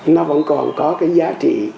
nó vẫn còn có cái giá trị